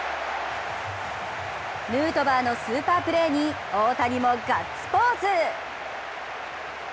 ヌートバーのスーパープレーに大谷もガッツポーズ。